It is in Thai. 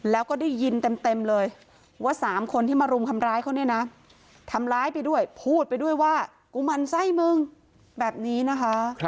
แล้วก็ได้ยินเต็มเลยว่า๓คนที่มารุมทำร้ายเขาเนี่ยนะทำร้ายไปด้วยพูดไปด้วยว่ากูมั่นไส้มึงแบบนี้นะคะ